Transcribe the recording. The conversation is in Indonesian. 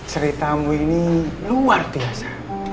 ceritamu ini luar biasa